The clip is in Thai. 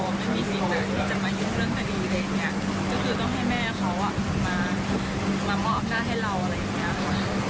ก็คือต้องให้แม่เขามามอบหน้าให้เราอะไรอย่างเงี้ย